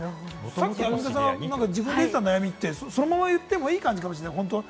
さっきアンミカさん、自分で言ってた悩みってそのまま言ってもいいかもしれない。